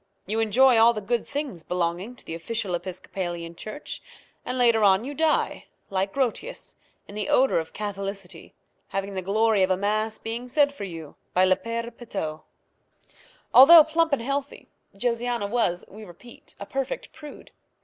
You enjoy all the good things belonging to the official Episcopalian church, and later on you die, like Grotius, in the odour of Catholicity, having the glory of a mass being said for you by le Père Petau. Although plump and healthy, Josiana was, we repeat, a perfect prude.